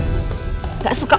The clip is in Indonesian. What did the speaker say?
tante andis jangan